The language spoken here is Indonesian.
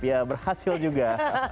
ya berhasil juga